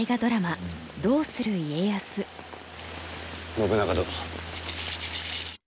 信長殿。